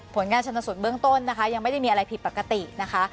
ผลงานชนสูตรเบื้องต้นนะคะยังไม่ได้มีอะไรผิดปกตินะคะ